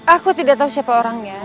aku tidak tahu siapa orangnya